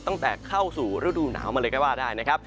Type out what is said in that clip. ตั้งแต่เข้าสู่ฤดูหนาวมาเลยก็ว่าได้นะครับ